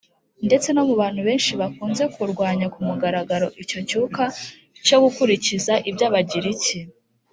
ndetse no mu bantu benshi bakunze kurwanya ku mugaragaro icyo cyuka cyo gukurikiza iby abagiriki